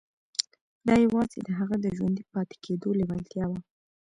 دا يوازې د هغه د ژوندي پاتې کېدو لېوالتیا وه.